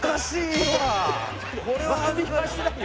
これは恥ずかしい。